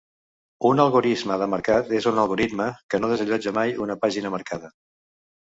Un algorisme de marcat és un algoritme que no desallotja mai una pàgina marcada.